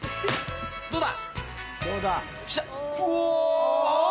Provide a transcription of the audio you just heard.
どうだ？